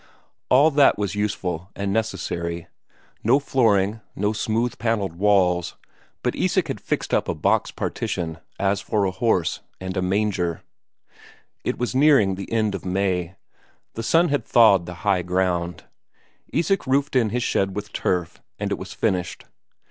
All that was useful and necessary; no flooring, no smooth planed walls, but Isak had fixed up a box partition, as for a horse, and a manger. It was nearing the end of May. The sun had thawed the high ground; Isak roofed in his shed with turf and it was finished.